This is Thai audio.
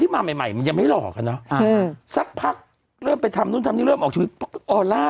ว่าเหรอเฮ้ยทำไมพวกแกหล่อกันได้ยังไงวะ